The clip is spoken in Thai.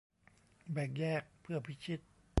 แบ่งแยก เพื่อพิชิต